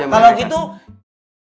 nona riva jangan kemana mana